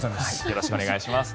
よろしくお願いします。